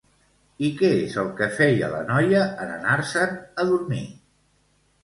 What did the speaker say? I què és el que feia la noia en anar-se'n a dormir?